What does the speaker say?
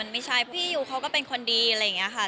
ไม่ใช่พี่ยูเขาก็เป็นคนดีอะไรอย่างนี้ค่ะ